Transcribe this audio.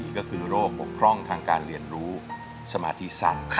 ก็คือโรคปกพร่องทางการเรียนรู้สมาธิสั้น